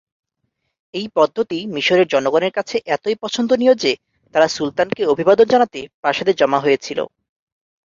এই পদ্ধতি মিশরের জনগনের কাছে এতটাই পছন্দনীয় যে তারা সুলতানকে অভিবাদন জানাতে প্রাসাদে জমা হয়েছিল।